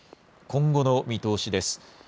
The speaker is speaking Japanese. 今後の見通しです。